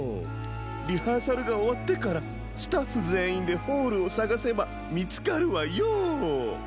リハーサルがおわってからスタッフぜんいんでホールをさがせばみつかるわよ。